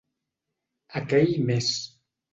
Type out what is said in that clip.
Aquell mes.